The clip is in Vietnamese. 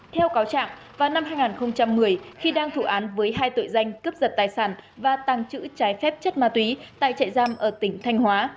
theo cáo trạng vào năm hai nghìn một mươi khi đang thủ án với hai tội danh cướp giật tài sản và tăng trữ trái phép chất ma túy tại trại giam ở tỉnh thanh hóa